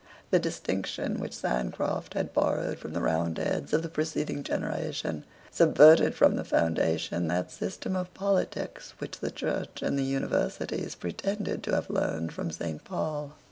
The distinction which Sancroft had borrowed from the Roundheads of the preceding generation subverted from the foundation that system of politics which the Church and the Universities pretended to have learned from Saint Paul.